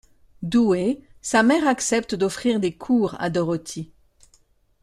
Douée, sa mère accepte d'offrir des cours à Dorothy.